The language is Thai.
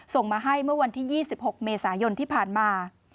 ส่งมาให้เมื่อวันที่๒๖เมษายนที่ผ่านมา